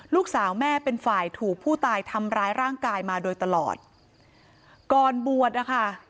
ลูกสาวแม่เป็นฝ่ายถูกผู้ตายทำร้ายร่างกายมาโดยตลอดก่อนบวชนะคะ